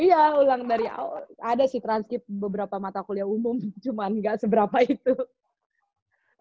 iya ulang dari awal ada sih transkip beberapa mata kuliah umum cuman gak seberapa itu